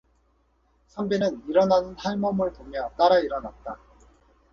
선비는 일어나는 할멈을 보며 따라 일어났다.